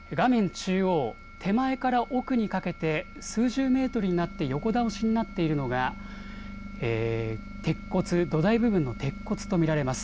中央、手前から奥にかけて数十メートルになって横倒しになっているのが、鉄骨、土台部分の鉄骨と見られます。